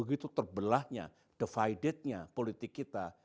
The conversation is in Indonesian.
begitu terbelahnya divided nya politik kita